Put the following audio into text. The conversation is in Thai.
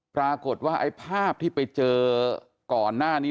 ปรากฏว่าไอ้ภาพที่ไปเจอก่อนหน้านี้